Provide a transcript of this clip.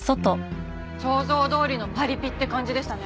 想像どおりのパリピって感じでしたね。